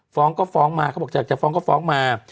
ฟ้องก็ฟ้องมาเขาบอกอยากจะฟ้องก็ฟ้องมา